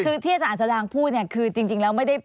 คือที่อาจารย์แสดงพูดเนี่ยคือจริงแล้วไม่ได้